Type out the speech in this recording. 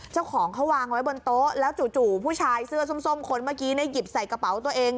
เจ้าของเขาวางไว้บนโต๊ะแล้วจู่ผู้ชายเสื้อส้มคนเมื่อกี้หยิบใส่กระเป๋าตัวเอง